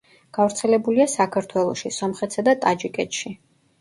გავრცელებულია საქართველოში, სომხეთსა და ტაჯიკეთში.